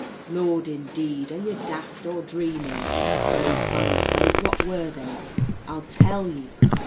"Lord, indeed! are ye daft or dreamin'? Those fine folk, what were they? I'll tell ye.